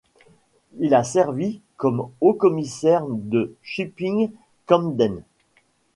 Il a servi comme haut commissaire de Chipping Campden.